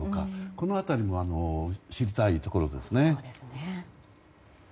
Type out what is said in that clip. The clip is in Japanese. この辺りも知りたいところです。